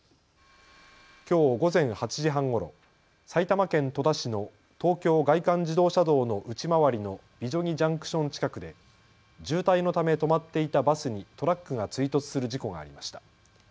きょう午前８時半ごろ埼玉県戸田市の東京外環自動車道の内回りの美女木ジャンクション近くで渋滞のため止まっていたバスにトラックが追突する事故がありました。